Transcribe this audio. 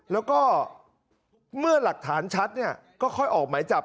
แล้วก็เมื่อหลักฐานชัดเนี่ยก็ค่อยออกหมายจับ